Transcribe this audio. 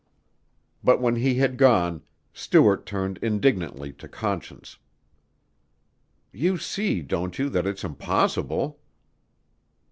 But when he had gone, Stuart turned indignantly to Conscience. "You see, don't you, that it's impossible?"